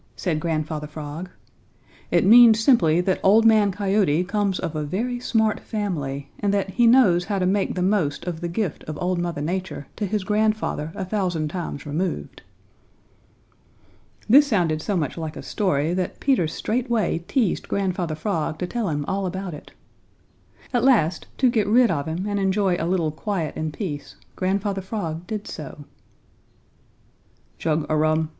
said Grandfather Frog. "It means simply that Old Man Coyote comes of a very smart family, and that he knows how to make the most of the gift of Old Mother Nature to his grandfather a thousand times removed." This sounded so much like a story that Peter straightway teased Grandfather Frog to tell him all about it. At last, to get rid of him and enjoy a little quiet and peace, Grandfather Frog did so. "Chug a rum!"